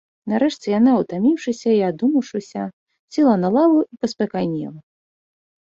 Нарэшце, яна, утаміўшыся і адумаўшыся, села на лаву і паспакайнела.